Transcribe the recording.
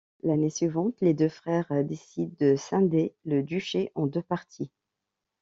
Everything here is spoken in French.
L’année suivante, les deux frères décident de scinder le duché en deux parties.